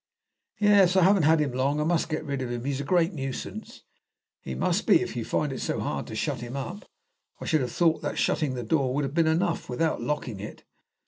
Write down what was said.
"Yes, I haven't had him long. I must get rid of him. He's a great nuisance." "He must be, if you find it so hard to shut him up. I should have thought that shutting the door would have been enough, without locking it."